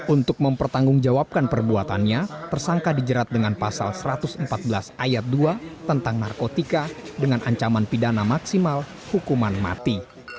untuk mempertanggungjawabkan perbuatannya tersangka dijerat dengan pasal satu ratus empat belas ayat dua tentang narkotika dengan ancaman pidana maksimal hukuman mati